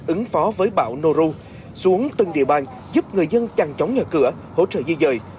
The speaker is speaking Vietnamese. ứng phó với bão noru xuống từng địa bàn giúp người dân chằn chóng nhờ cửa hỗ trợ di dời